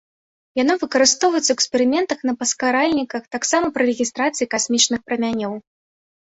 Яно выкарыстоўваецца ў эксперыментах на паскаральніках, таксама пры рэгістрацыі касмічных прамянёў.